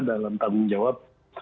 dalam tanggung jawab